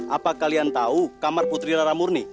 apa kalian tahu kamar putri rara murni